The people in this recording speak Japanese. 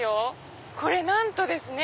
これなんとですね